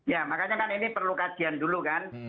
ya makanya kan ini perlu kajian dulu kan